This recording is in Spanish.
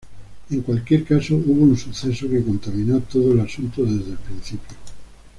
En cualquier caso, hubo un evento que contaminó todo el asunto desde el principio.